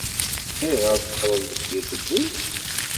Ayɣer ay teffreḍ deffir tewwurt?